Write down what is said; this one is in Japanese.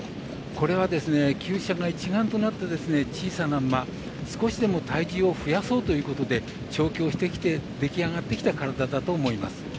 これは、きゅう舎が一丸となって小さな馬、少しでも体重を増やそうということで調教してきて出来上がってきた体だと思います。